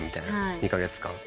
２カ月間。